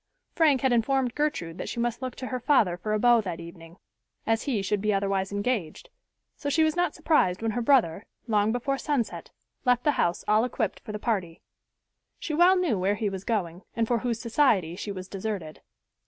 Frank had informed Gertrude that she must look to her father for a beau that evening, as he should be otherwise engaged; so she was not surprised when her brother, long before sunset, left the house all equipped for the party. She well knew where he was going and for whose society she was deserted.